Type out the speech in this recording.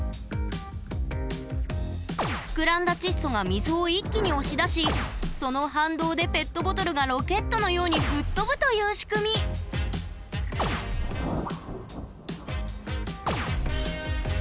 膨らんだ窒素が水を一気に押し出しその反動でペットボトルがロケットのように吹っ飛ぶという仕組みねえ。